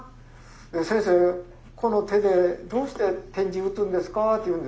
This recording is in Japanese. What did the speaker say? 「先生この手でどうして点字打つんですか？」って言うんですよ。